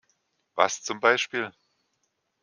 Was zum Beispiel?